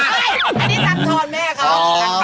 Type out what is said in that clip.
อันนี้ตำทอนแม่เขา